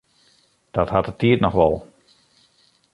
Dat hat de tiid noch wol.